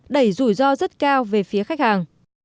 đẩy rủi ro rất cao về phía khách hàng